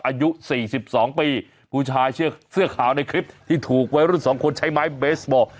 อายุ๔๒ปีผู้ชายเสื้อขาวในคลิปที่ถูกวัยรุ่น๒คนใช้ไม้เบสบอล